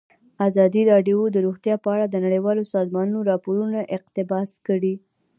ازادي راډیو د روغتیا په اړه د نړیوالو سازمانونو راپورونه اقتباس کړي.